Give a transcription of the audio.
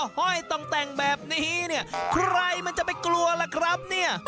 ห้อยต้องแต่งแบบนี้เนี่ยใครมันจะไปกลัวล่ะครับเนี่ย